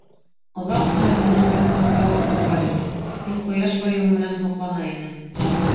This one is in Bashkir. Оҙаҡ ҡына һинең бер сафаүәтең бар ине: һин ҡояш байыуы менән һоҡлана инең.